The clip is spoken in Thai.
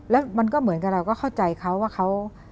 แล้วมันก็เหมือนกับเราก็เข้าใจเขาว่าเขา